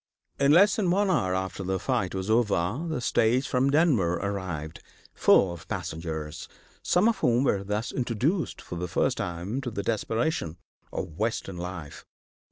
In less than one hour after the fight was over, the stage from Denver arrived, full of passengers, some of whom were thus introduced for the first time to the desperation of Western life.